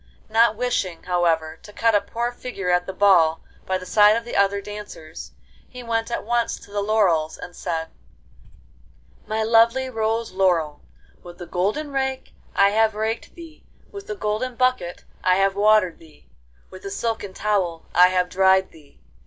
Not wishing, however, to cut a poor figure at the ball by the side of the other dancers, he went at once to the laurels, and said: 'My lovely rose laurel, with the golden rake I have raked thee, with the golden bucket I have watered thee, with a silken towel I have dried thee.